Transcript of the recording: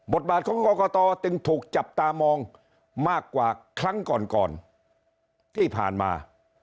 บาทของกรกตจึงถูกจับตามองมากกว่าครั้งก่อนก่อนที่ผ่านมา